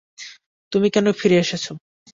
তুমি কেন ফিরে এসেছ?